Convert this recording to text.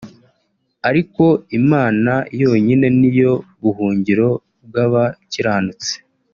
ariko Imana yonyine niyo buhungiro bw’abakiranutsi